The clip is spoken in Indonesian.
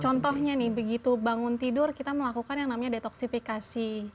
contohnya nih begitu bangun tidur kita melakukan yang namanya detoksifikasi